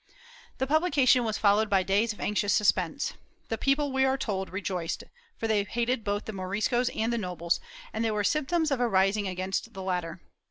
^ The publication was followed by days of anxious suspense. The people, we are told, rejoiced, for they hated both the Moriscos and the nobles, and there were symptoms of a rising against the latter.